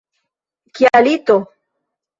Kia lito!